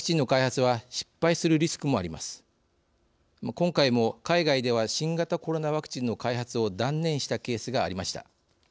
今回も海外では新型コロナワクチンの開発を断念したケースがありました。